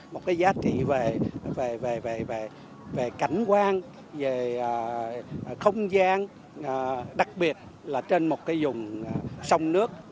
một cái giá trị về cảnh quan về không gian đặc biệt là trên một cái dùng sông nước